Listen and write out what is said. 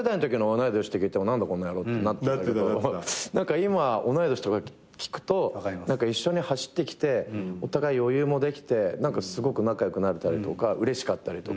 今同い年とか聞くと一緒に走ってきてお互い余裕もできてすごく仲良くなれたりとかうれしかったりとか。